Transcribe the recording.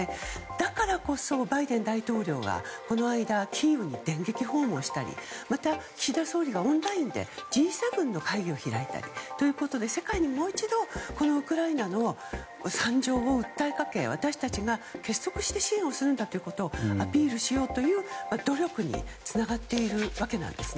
だからこそ、バイデン大統領はこの間キーウに電撃訪問したりまた、岸田総理はオンラインでＧ７の会議を開いたり世界にもう一度ウクライナの惨状を訴えかけて私たちが結束して支援するんだとアピールしようという努力につながっているわけです。